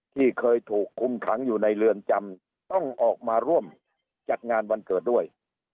ที่เคยถูกคุมขังอยู่ในเรือนจำต้องออกมาร่วมจัดงานวันเกิดด้วย